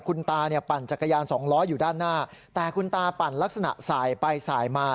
คุณตาเนี่ยปั่นจักรยานสองล้ออยู่ด้านหน้าแต่คุณตาปั่นลักษณะสายไปสายมา